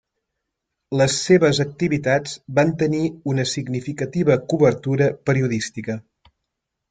Les seves activitats van tenir una significativa cobertura periodística.